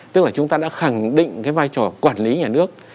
tức là chúng ta đã khẳng định cái vai trò quản lý nhà nước